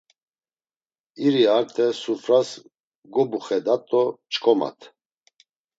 İri arte sufras gobuxedat do p̌ç̌ǩomat.